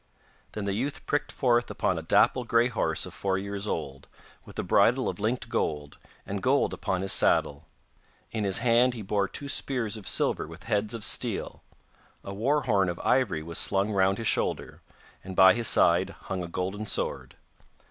Then the youth pricked forth upon a dapple grey horse of four years old, with a bridle of linked gold, and gold upon his saddle. In his hand he bore two spears of silver with heads of steel; a war horn of ivory was slung round his shoulder, and by his side hung a golden sword.